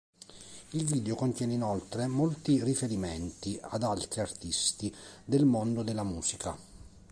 Il video contiene inoltre molti riferimenti ad altri artisti del mondo della musica.